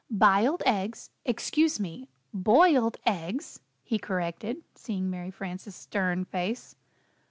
"B'iled eggs excuse me! boiled eggs," he corrected, seeing Mary Frances' stern face.